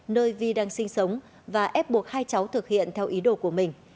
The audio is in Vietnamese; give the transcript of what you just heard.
nơi vi đang sinh sống và ép buộc hai cháu thực hiện theo ý đồ của mình